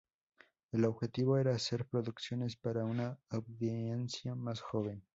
El objetivo era hacer producciones para una audiencia más joven.